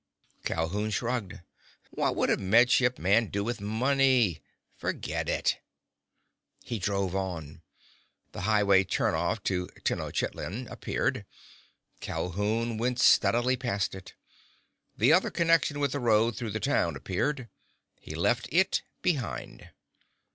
Calhoun shrugged. "What would a Med Ship man do with money? Forget it!" He drove on. The highway turnoff to Tenochitlan appeared. Calhoun went steadily past it. The other connection with the road through the town appeared. He left it behind.